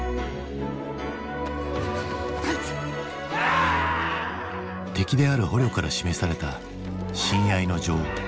あ！敵である捕虜から示された親愛の情。